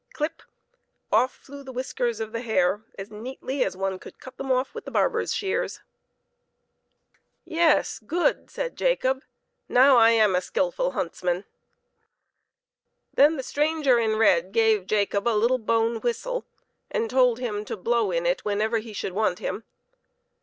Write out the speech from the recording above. Clip ! off flew the whiskers of the hare as neatly as one could cut them off with the barber's shears. " Yes, good !" said Jacob, " now I am a skillful huntsman." Then the stranger in red gave Jacob a little bone whistle, and told him to blow in it whenever he should want him.